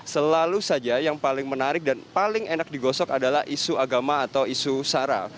selalu saja yang paling menarik dan paling enak digosok adalah isu agama atau isu sara